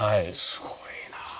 すごいな。